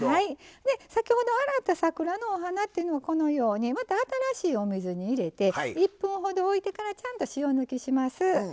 先ほど洗った桜のお花というのをこのようにまた新しいお水に入れて１分ほどおいてからちゃんと塩抜きします。